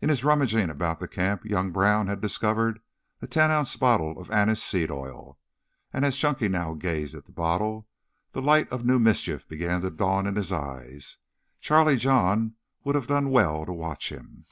In his rummaging about the camp young Brown had discovered a ten ounce bottle of anise seed oil, and as Chunky now gazed at this bottle the light of new mischief began to dawn in his eyes. Charlie John would have done well to watch him.